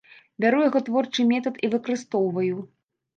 Бяру яго творчы метад і выкарыстоўваю.